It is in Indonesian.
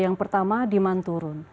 yang pertama demand turun